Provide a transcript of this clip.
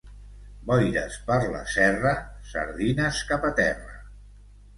Boires per la serra, sardines cap a terra.